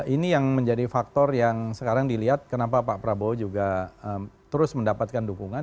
ini yang menjadi faktor yang sekarang dilihat kenapa pak prabowo juga terus mendapatkan dukungan